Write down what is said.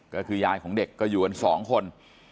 ก็คือยายของเด็กก็อยู่กันสองคน